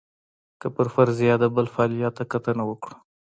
که پر فرضیه د بل فعالیت ته کتنه وکړو.